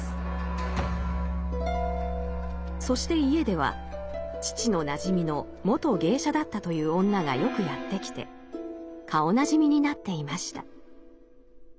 そして家では父のなじみの元芸者だったという女がよくやって来て顔なじみになっていました。